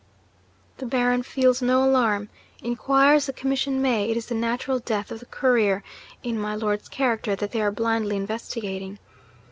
The Baron feels no alarm. Inquire as the commission may, it is the natural death of the Courier (in my Lord's character) that they are blindly investigating.